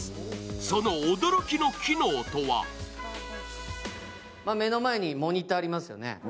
その驚きの機能とは目の前にモニターがありますよね。